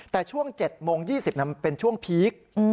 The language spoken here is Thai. แต่ช่วง๗นาที๒๐นาทีเป็นช่วงพีค